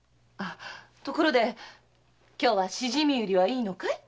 ところで今日は蜆売りはいいのかい？